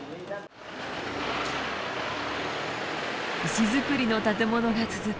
石造りの建物が続く